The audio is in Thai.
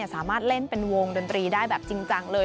สามารถเล่นเป็นวงดนตรีได้แบบจริงจังเลย